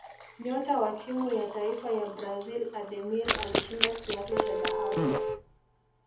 nyota wa timu ya taifa ya brazil ademir alishinda kiatu cha dhahabu